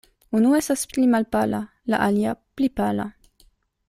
Unu estas pli malpala; la alia, pli pala.